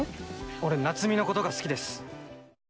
俺、夏海のことが好きです。